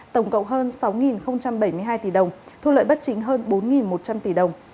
tổng cộng hơn sáu bảy mươi hai tỷ đồng thu lợi bất chính hơn bốn một trăm linh tỷ đồng